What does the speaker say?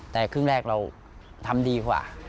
แต่ครึ่งแรกเราทำดีกว่า